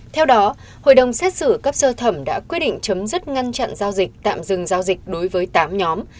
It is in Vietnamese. theo đó hội đồng xét xử cấp sơ thẩm đã quyết định chấm dứt ngăn chặn giao dịch tạm dừng giao dịch đối với tám nhóm